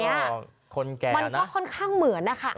มันก็ค่อนข้างเหมือนนะคะ